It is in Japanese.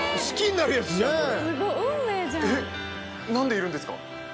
なんでいるんですか？